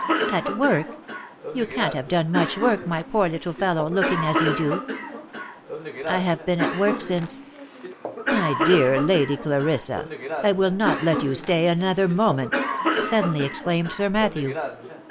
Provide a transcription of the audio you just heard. " At work ! You can't have done much work, my poor little fellow, looking as you do." " I have been at work since" —" My "ear Lady Clarissa, I really will not let you stay another moment," suddenly exclaimed Sir Matthew.